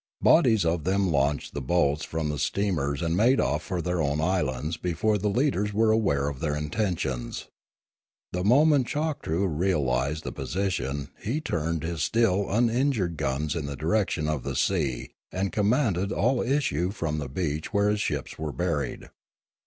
Bodies of them launched the boats from the steamers and made off for their own islands before the leaders were aware of their intentions. The moment Choktroo realised the position he turned his still uninjured guns in the direction of the sea and commauded all issue from the beach where his ships were buried.